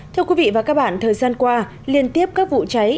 thưa quý vị và các bạn thời gian qua liên tiếp các vụ cháy